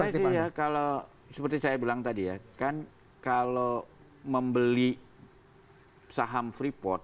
kalau menurut saya sih ya kalau seperti saya bilang tadi ya kan kalau membeli saham freeport